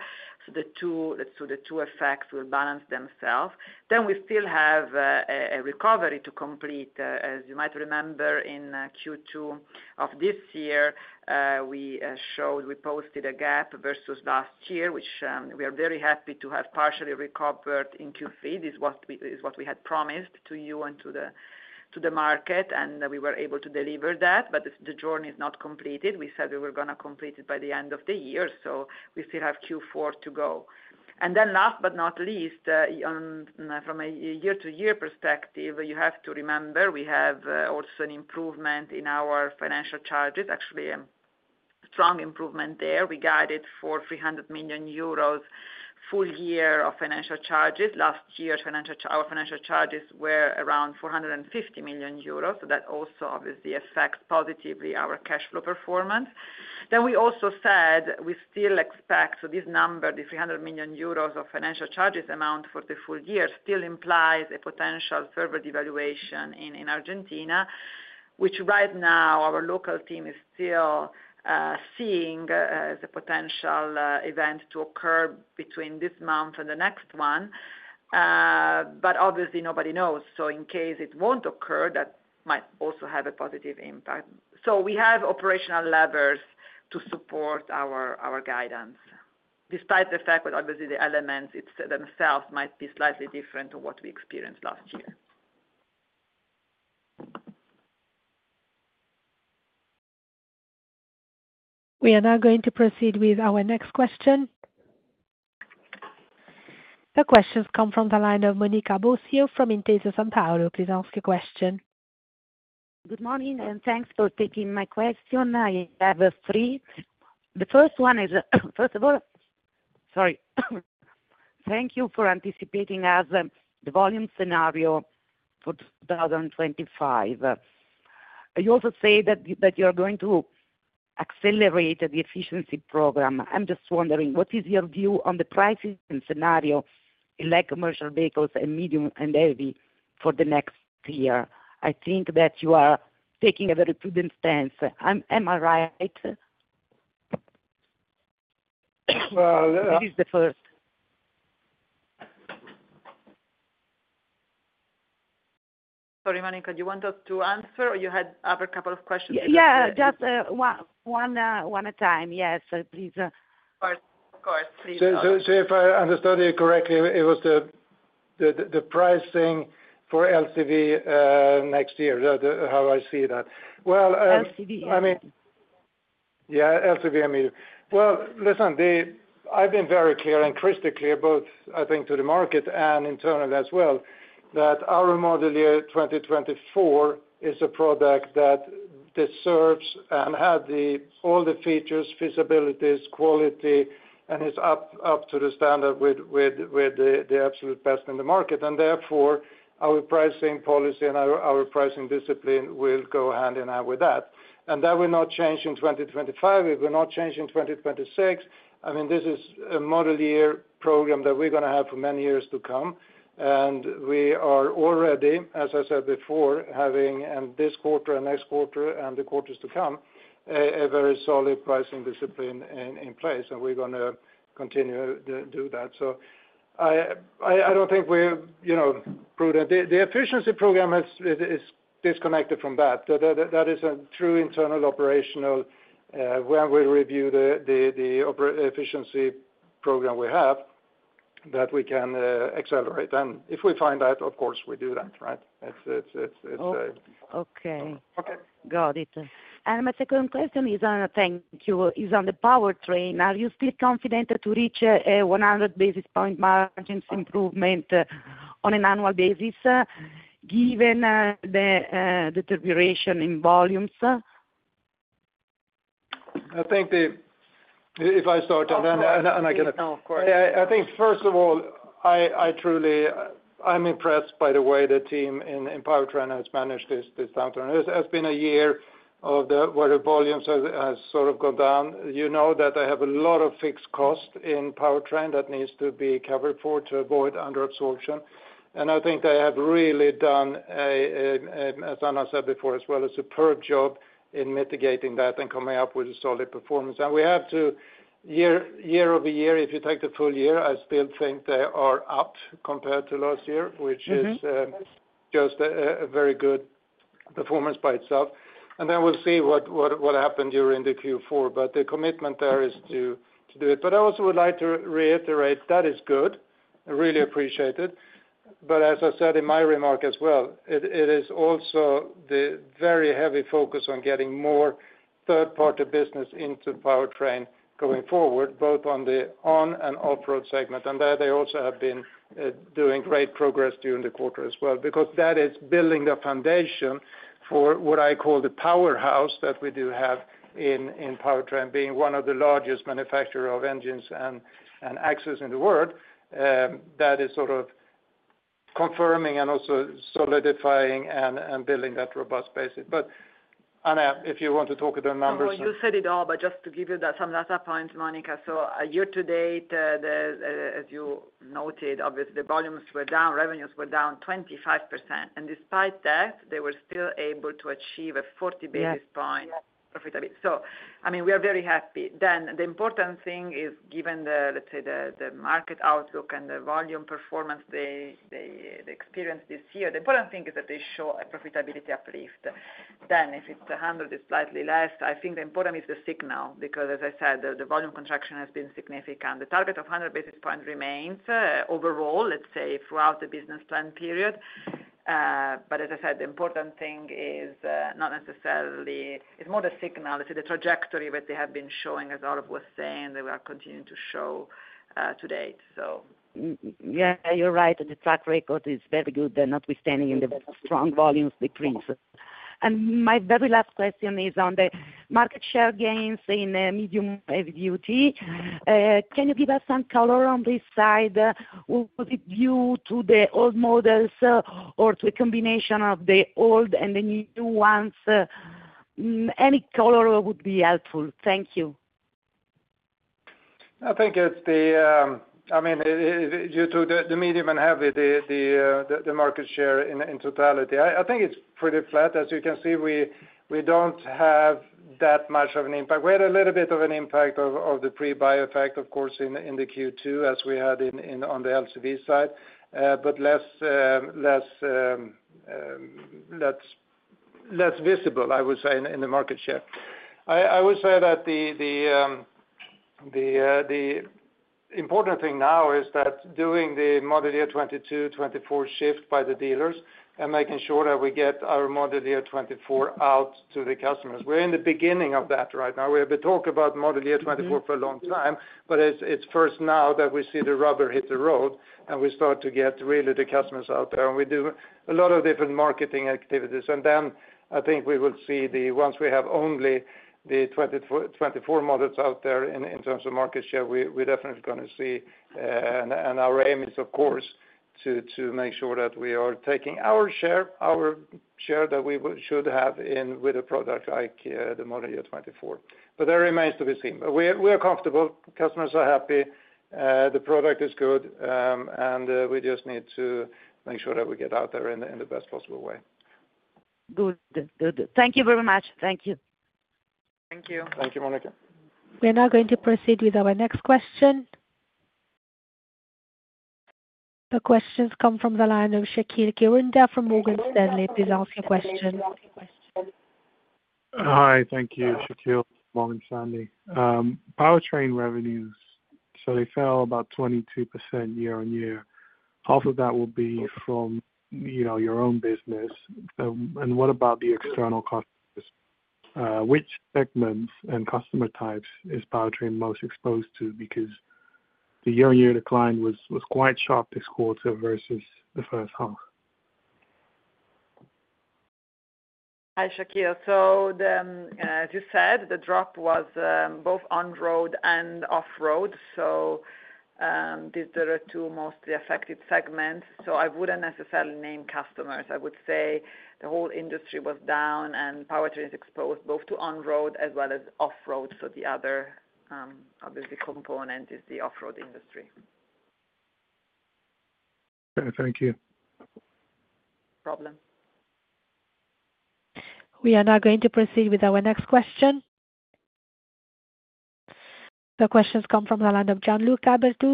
So the two effects will balance themselves. Then we still have a recovery to complete. As you might remember, in Q2 of this year, we showed we posted a gap versus last year, which we are very happy to have partially recovered in Q3. This is what we had promised to you and to the market, and we were able to deliver that. But the journey is not completed. We said we were going to complete it by the end of the year. So we still have Q4 to go. And then last but not least, from a year-to-year perspective, you have to remember we have also an improvement in our financial charges, actually a strong improvement there. We guided for 300 million euros full year of financial charges. Last year, our financial charges were around 450 million euros. So that also, obviously, affects positively our cash flow performance. Then we also said we still expect this number, the 300 million euros of financial charges amount for the full year still implies a potential further devaluation in Argentina, which right now our local team is still seeing as a potential event to occur between this month and the next one. But obviously, nobody knows. So in case it won't occur, that might also have a positive impact. So we have operational levers to support our guidance. Despite the fact that, obviously, the elements themselves might be slightly different from what we experienced last year. We are now going to proceed with our next question. The questions come from the line of Monica Bosio from Intesa Sanpaolo. Please ask your question. Good morning and thanks for taking my question. I have three. The first one is, first of all, sorry. Thank you for anticipating the volume scenario for 2025. You also say that you are going to accelerate the efficiency program. I'm just wondering, what is your view on the pricing scenario in light commercial vehicles and medium and heavy for the next year? I think that you are taking a very prudent stance. Am I right? Well. This is the first. Sorry, Monica, do you want us to answer or you had other couple of questions? Yeah, just one at a time. Yes, please. Of course. Of course. Please. So if I understood you correctly, it was the pricing for LCV next year, how I see that. Well. LCV. I mean. Yeah, LCV, I mean. Listen, I've been very clear and crystal clear, both I think to the market and internally as well, that our Model Year 2024 is a product that deserves and had all the features, feasibilities, quality, and is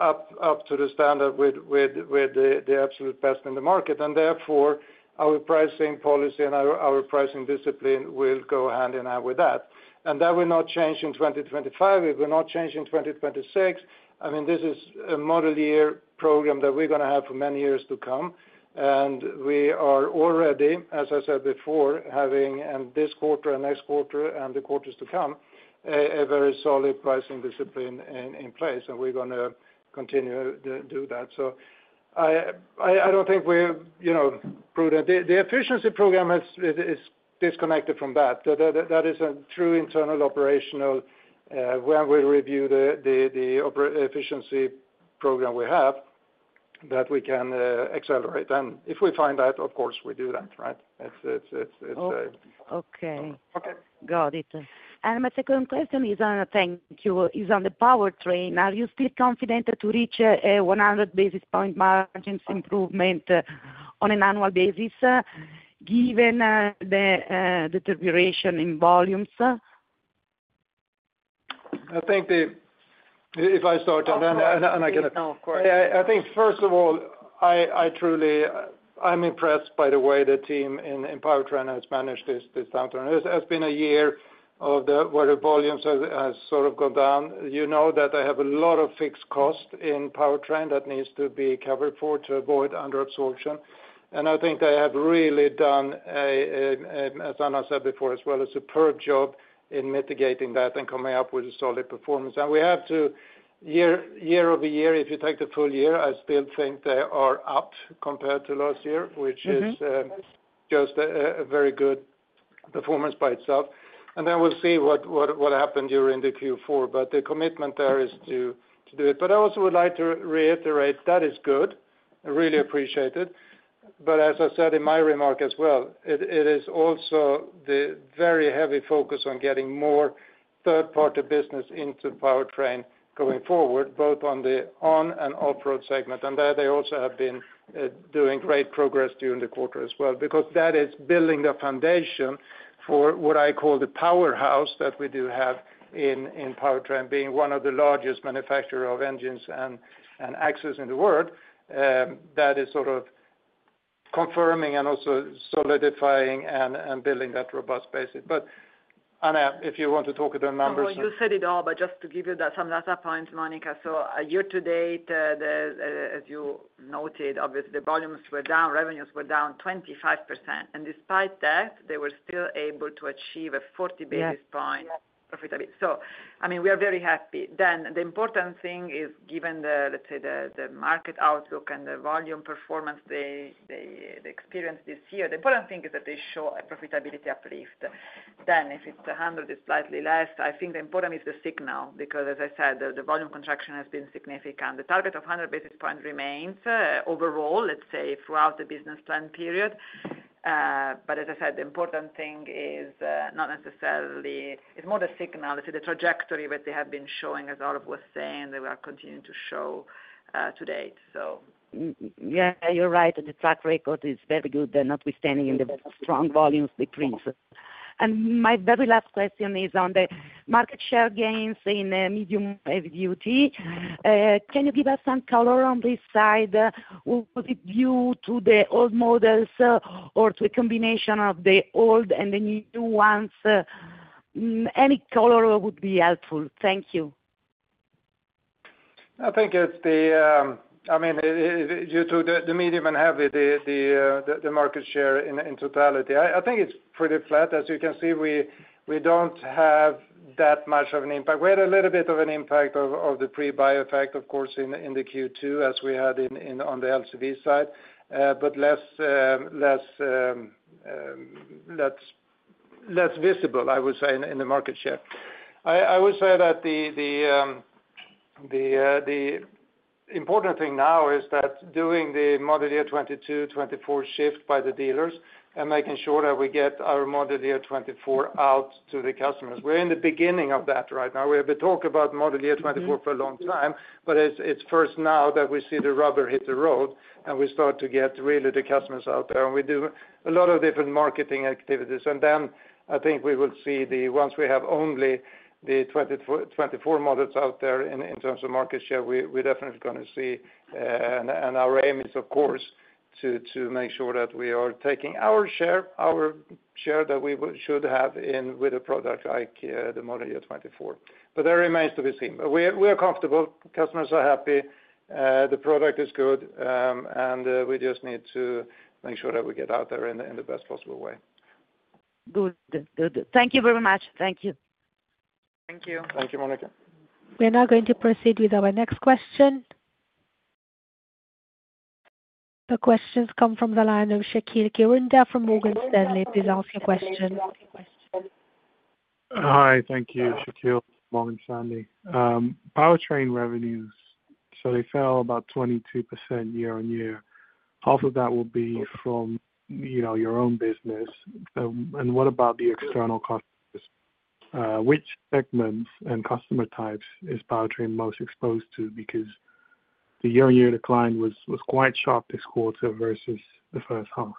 up to the standard with the absolute best in the market. And therefore, our pricing policy and our pricing discipline will go hand in hand with that. And that will not change in 2025. It will not change in 2026. I mean, this is a Model Year program that we're going to have for many years to come. And we are already, as I said before, having in this quarter and next quarter and the quarters to come, a very solid pricing discipline in place. And we're going to continue to do that. I don't think we're prudent. The efficiency program is disconnected from that. That is a true internal operational when we review the efficiency program we have that we can accelerate. And if we find that, of course, we do that, right? Okay. Got it. And my second question, thank you, is on the powertrain. Are you still confident to reach a 100 basis point margin improvement on an annual basis given the deterioration in volumes? Of course. I think, first of all, I truly am impressed by the way the team in powertrain has managed this downturn. It has been a year where the volumes have sort of gone down. You know that they have a lot of fixed cost in powertrain that needs to be covered for to avoid under-absorption. I think they have really done, as Anna said before, as well as a superb job in mitigating that and coming up with a solid performance. We have to, year-over-year, if you take the full year, I still think they are up compared to last year, which is just a very good performance by itself. We'll see what happened during the Q4. The commitment there is to do it. I also would like to reiterate that is good. I really appreciate it. As I said in my remark as well, it is also the very heavy focus on getting more third-party business into powertrain going forward, both on the on-road and off-road segment. They also have been doing great progress during the quarter as well because that is building the foundation for what I call the powerhouse that we do have in powertrain, being one of the largest manufacturers of engines and axles in the world. That is sort of confirming and also solidifying and building that robust basis. Anna, if you want to talk about the numbers. You said it all, but just to give you some data points, Monica. Year to date, as you noted, obviously, the volumes were down, revenues were down 25%. And despite that, they were still able to achieve a 40 basis points profitability. I mean, we are very happy. The important thing is, given the, let's say, the market outlook and the volume performance they experienced this year, the important thing is that they show a profitability uplift. Then if it's 100, it's slightly less. I think the important is the signal because, as I said, the volume contraction has been significant. The target of 100 basis points remains overall, let's say, throughout the business plan period. But as I said, the important thing is not necessarily it's more the signal, the trajectory that they have been showing, as Olof was saying, they will continue to show to date, so. Yeah, you're right. The track record is very good, notwithstanding the strong volumes decrease. And my very last question is on the market share gains in medium-heavy duty. Can you give us some color on this side? Was it due to the old models or to a combination of the old and the new ones? Any color would be helpful. Thank you. I think it's the, I mean, due to the medium and heavy, the market share in totality. I think it's pretty flat. As you can see, we don't have that much of an impact. We had a little bit of an impact of the pre-buy effect, of course, in the Q2, as we had on the LCV side, but less visible, I would say, in the market share. I would say that the important thing now is that doing the Model Year 2022, 2024 shift by the dealers and making sure that we get our Model Year 2024 out to the customers. We're in the beginning of that right now. We have been talking about Model Year 2024 for a long time, but it's first now that we see the rubber hit the road and we start to get really the customers out there. And we do a lot of different marketing activities. And then I think we will see the once we have only the 2024 models out there in terms of market share, we're definitely going to see. And our aim is, of course, to make sure that we are taking our share, our share that we should have with a product like the Model Year 2024. But that remains to be seen. But we are comfortable. Customers are happy. The product is good. And we just need to make sure that we get out there in the best possible way. Good. Good. Thank you very much. Thank you. Thank you. Thank you, Monica. We're now going to proceed with our next question. The questions come from the line of Shaqeal Kirunda from Morgan Stanley. Please ask your question. Hi. Thank you, Shaqeal from Morgan Stanley. Powertrain revenues, so they fell about 22% year-on-year. Half of that will be from your own business. And what about the external customers? Which segments and customer types is powertrain most exposed to because the year-on-year decline was quite sharp this quarter versus the first half?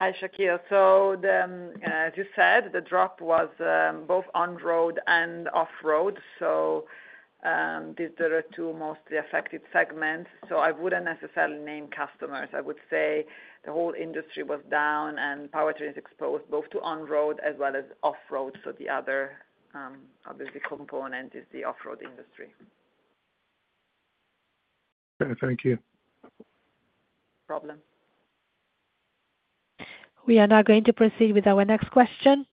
Hi, Shaqeal. So as you said, the drop was both on-road and off-road. So these are the two mostly affected segments. So I wouldn't necessarily name customers. I would say the whole industry was down and powertrain is exposed both to on-road as well as off-road. So the other, obviously, component is the off-road industry. Okay. Thank you. No problem. We are now going to proceed with our next question.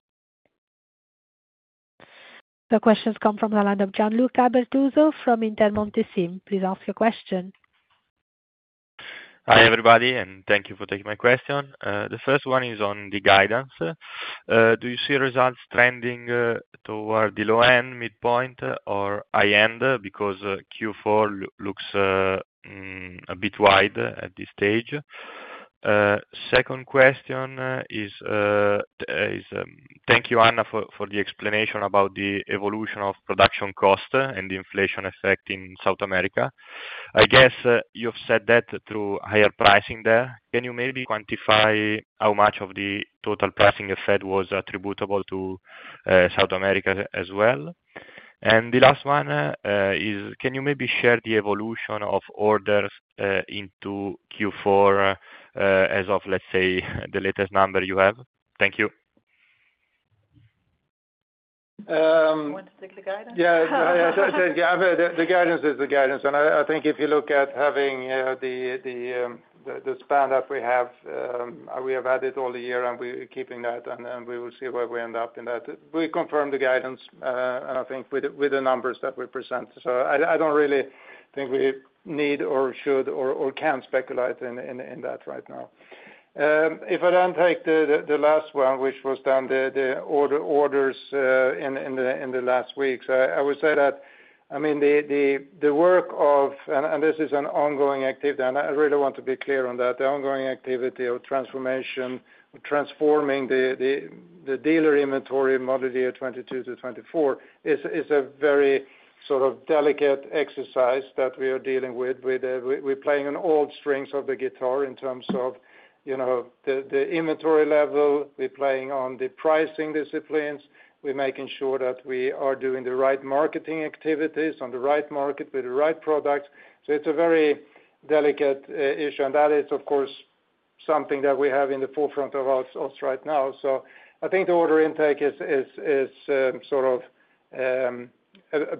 The questions come from the line of Gianluca Bertuzzo from Intermonte SIM. Please ask your question. Hi, everybody, and thank you for taking my question. The first one is on the guidance. Do you see results trending toward the low-end, midpoint, or high-end? Because Q4 looks a bit wide at this stage. Second question is, thank you, Anna, for the explanation about the evolution of production cost and the inflation effect in South America. I guess you've said that through higher pricing there. Can you maybe quantify how much of the total pricing effect was attributable to South America as well? And the last one is, can you maybe share the evolution of orders into Q4 as of, let's say, the latest number you have? Thank you. You want to take the guidance? Yeah. The guidance is the guidance. And I think if you look at having the span that we have, we have added all the year and we're keeping that, and then we will see where we end up in that. We confirmed the guidance, I think, with the numbers that we present. So I don't really think we need or should or can speculate in that right now. If I don't take the last one, which was then the orders in the last weeks, I would say that. I mean, the work of, and this is an ongoing activity, and I really want to be clear on that, the ongoing activity of transformation, transforming the dealer inventory Model Year 2022 to 2024 is a very sort of delicate exercise that we are dealing with. We're playing on all strings of the guitar in terms of the inventory level. We're playing on the pricing disciplines. We're making sure that we are doing the right marketing activities on the right market with the right products. So it's a very delicate issue. That is, of course, something that we have in the forefront of us right now. I think the order intake is sort of a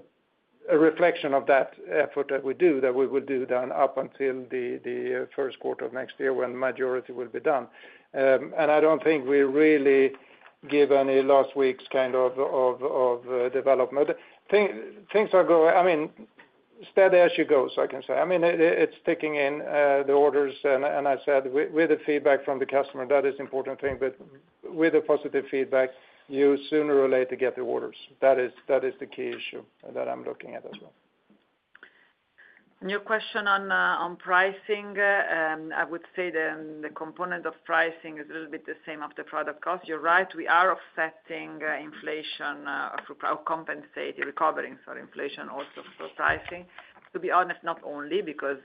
reflection of that effort that we do, that we will do then up until the first quarter of next year when the majority will be done. I don't think we really give any last week's kind of development. Things are going, I mean, steady as she goes, I can say. I mean, it's ticking in the orders. As I said, with the feedback from the customer, that is an important thing. With the positive feedback, you sooner or later get the orders. That is the key issue that I'm looking at as well. Your question on pricing, I would say the component of pricing is a little bit the same of the product cost. You're right. We are offsetting inflation through compensating recovering, sorry, inflation also for pricing. To be honest, not only because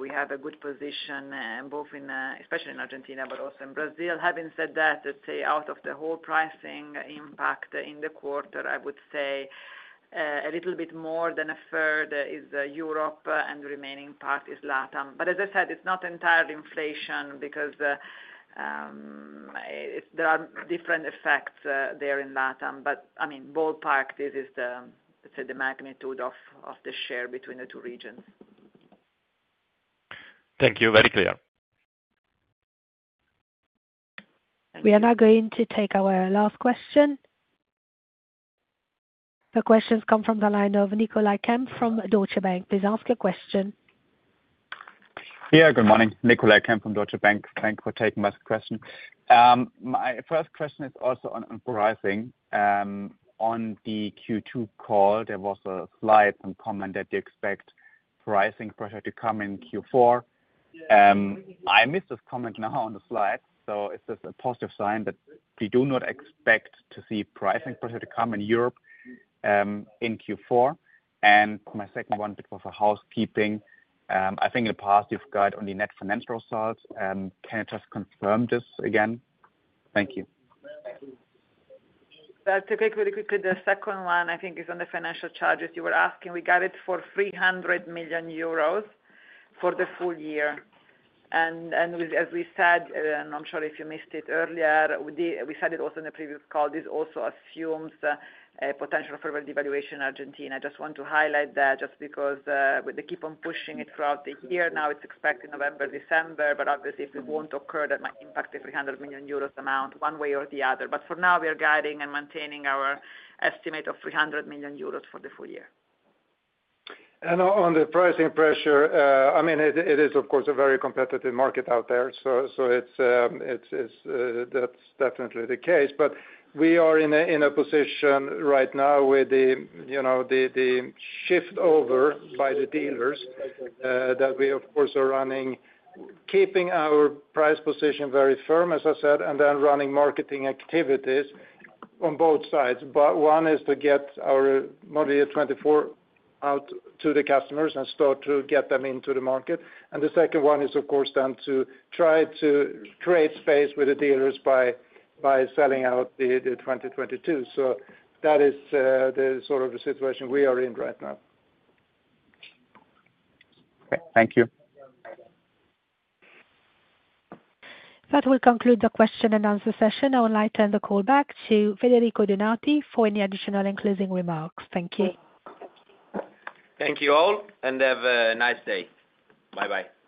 we have a good position, especially in Argentina, but also in Brazil. Having said that, let's say, out of the whole pricing impact in the quarter, I would say a little bit more than a third is Europe and the remaining part is LATAM. But as I said, it's not entirely inflation because there are different effects there in LATAM. But I mean, ballpark, this is the, let's say, the magnitude of the share between the two regions. Thank you. Very clear. We are now going to take our last question. The questions come from the line of Nicolai Kempf from Deutsche Bank. Please ask your question. Yeah. Good morning. Nicolai Kempf from Deutsche Bank. Thank you for taking my question. My first question is also on pricing. On the Q2 call, there was a slide and comment that they expect pricing pressure to come in Q4. I missed this comment now on the slide. So is this a positive sign that we do not expect to see pricing pressure to come in Europe in Q4? And my second one, it was housekeeping. I think in the past, you've got on the net financial results. Can you just confirm this again? Thank you. That's a good question. The second one, I think, is on the financial charges. You were asking. We got it for 300 million euros for the full year. And as we said, and I'm sure if you missed it earlier, we said it also in the previous call, this also assumes a potential for devaluation in Argentina. I just want to highlight that just because they keep on pushing it throughout the year. Now it's expected November, December, but obviously, if it won't occur, that might impact the 300 million euros amount one way or the other, but for now, we are guiding and maintaining our estimate of 300 million euros for the full year. And on the pricing pressure, I mean, it is, of course, a very competitive market out there, so that's definitely the case, but we are in a position right now with the shift over by the dealers that we, of course, are running, keeping our price position very firm, as I said, and then running marketing activities on both sides, but one is to get our Model Year 2024 out to the customers and start to get them into the market, and the second one is, of course, then to try to create space with the dealers by selling out the 2022. So that is the sort of situation we are in right now. Okay. Thank you. That will conclude the question and answer session. I would like to turn the call back to Federico Donati for any additional closing remarks. Thank you. Thank you all. And have a nice day. Bye-bye. That will conclude today's conference call. Thank you all for participating. Ladies and gentlemen, you may now disconnect.